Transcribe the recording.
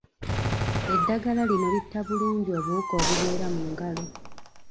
Eddagala lino litta bulungi obuwuka obubeera mu ngalo.